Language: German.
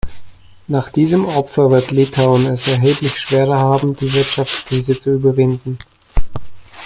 Nach diesem Opfer wird Litauen es erheblich schwerer haben, die Wirtschaftskrise zu überwinden.